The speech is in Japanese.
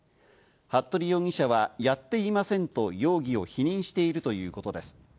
服部容疑者はやっていませんと容疑を否認しているということです。